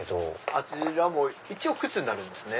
あちらも一応靴になるんですね。